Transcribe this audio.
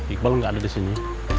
iqbal nggak ada di sini